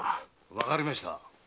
わかりました。